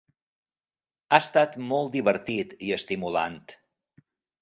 Ha estat molt divertit i estimulant.